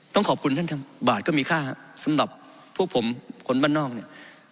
ต้องขอบคุณท่านครับบาทก็มีค่าสำหรับพวกผมคนบ้านนอกเนี่ย